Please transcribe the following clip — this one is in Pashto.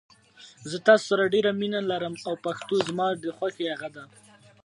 انارګل په خپل لمر وهلي مخ باندې د سړې هوا تاثیر حس کړ.